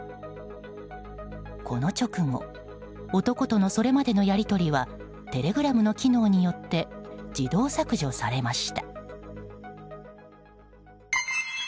この直後男とのそれまでのやり取りはテレグラムの機能によって自動削除されました。